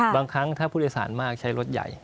บางครั้งถ้าผู้โดยสารมากใช้รถใหญ่